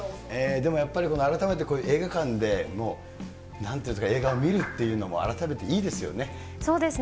でもやっぱり改めて映画館で、なんていうんですか、映画を見るっていうのも、改めていいですよね。